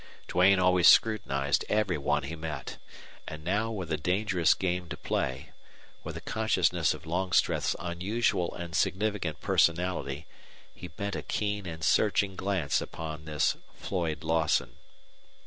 Duane always scrutinized every one he met, and now with a dangerous game to play, with a consciousness of Longstreth's unusual and significant personality, he bent a keen and searching glance upon this Floyd Lawson.